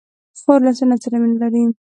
خور له سنت سره مینه لري.